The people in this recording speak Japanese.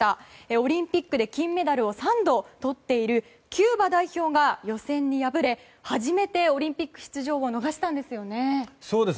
オリンピックで金メダルを３度とっているキューバ代表が予選で敗れ初めてオリンピック出場を逃したんです。